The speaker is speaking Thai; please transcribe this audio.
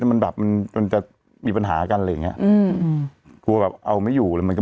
มีหลายเคสไหมปกติ